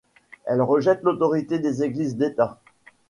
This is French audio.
Elle rejette l'autorité des Églises d'État.